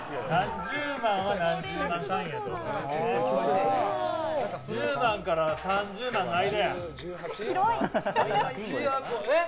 １０万から３０万の間。